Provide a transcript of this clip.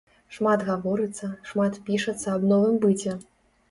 Шмат гаворыцца, шмат пішацца аб новым быце.